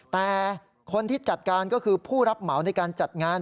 แต่คนที่จัดการก็คือผู้รับเหมาในการจัดงาน